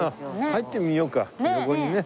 入ってみようか横にね。